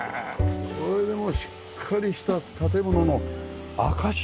これでもしっかりした建物の証しですよね。